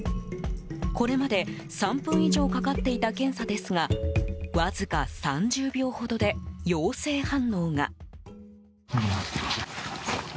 これまで３分以上かかっていた検査ですがわずか３０秒ほどで陽性反応が。